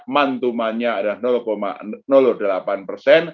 mantumannya adalah delapan